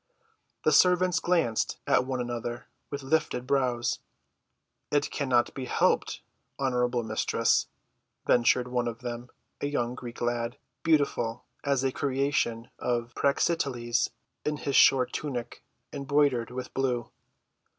The servants glanced at one another with lifted brows. "It cannot be helped, honorable mistress," ventured one of them, a young Greek lad, beautiful as a creation of Praxitiles in his short tunic bordered with blue.